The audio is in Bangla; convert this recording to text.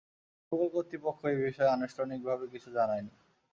গুগল কর্তৃপক্ষ এ বিষয়ে আনুষ্ঠানিকভাবে কিছু জানায়নি।